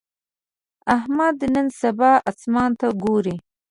احمد نن سبا اسمان ته ګوري.